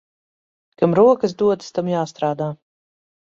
Kam rokas dotas, tam jāstrādā.